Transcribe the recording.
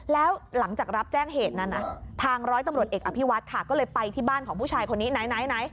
แล้วหลังจากรับแจ้งเหตุนั้นทางร้อยตำรวจเอกอภิวัฒน์ค่ะก็เลยไปที่บ้านของผู้ชายคนนี้ไหน